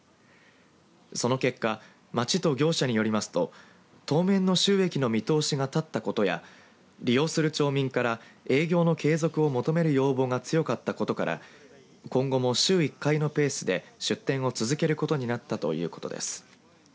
その結果町と業者によりますと当面の収益の見通しが立ったことや利用する町民から営業の継続を求める要望が強かったことから今後も週１回のペースで出店を続けることになったということです。